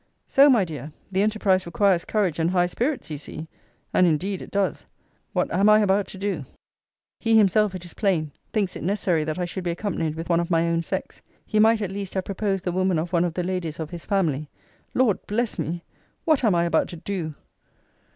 So, my dear, the enterprise requires courage and high spirits, you see! And indeed it does! What am I about to do! He himself, it is plain, thinks it necessary that I should be accompanied with one of my own sex. He might, at least, have proposed the woman of one of the ladies of his family. Lord bless me! What am I about to do!